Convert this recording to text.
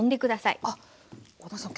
あ小田さん